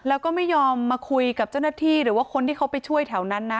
แล้วก็ไม่ยอมมาคุยกับเจ้าหน้าที่หรือว่าคนที่เขาไปช่วยแถวนั้นนะ